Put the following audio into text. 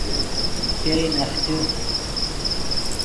ګئے نخچے